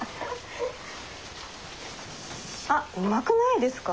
あっうまくないですか？